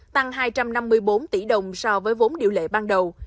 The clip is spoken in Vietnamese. tăng hai trăm năm mươi bốn tỷ đồng so với vốn điều lệ ban đầu